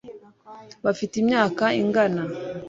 bafite imyaka ingana